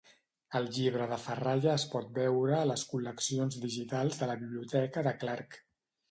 El llibre de ferralla es pot veure a les col·leccions digitals de la biblioteca de Clark.